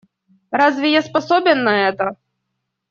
Разве я способен на это?